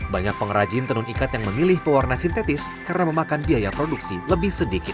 banyak pengrajin tenun ikat yang memilih pewarna sintetis karena memakan biaya produksi lebih sedikit